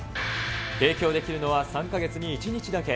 提供できるのは３か月に１日だけ。